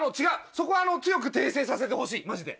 そこは強く訂正させてほしいマジで。